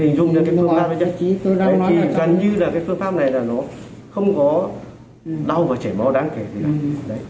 hình dung như là cái phương pháp này chắc chắn như là cái phương pháp này là nó không có đau và chảy bó đáng kể gì cả